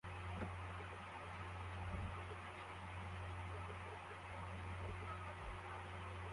Hano hari itsinda ryabantu bahagaze ahubatswe